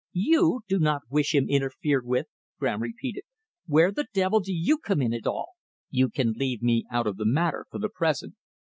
"You do not wish him interfered with?" Graham repeated. "Where the devil do you come in at all?" "You can leave me out of the matter for the present.